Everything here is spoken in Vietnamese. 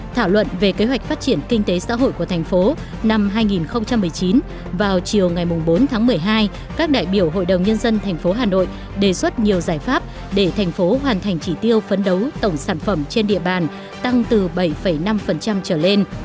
thảo luận về kế hoạch phát triển kinh tế xã hội của thành phố năm hai nghìn một mươi chín vào chiều ngày bốn tháng một mươi hai các đại biểu hội đồng nhân dân thành phố hà nội đề xuất nhiều giải pháp để thành phố hoàn thành chỉ tiêu phấn đấu tổng sản phẩm trên địa bàn tăng từ bảy năm trở lên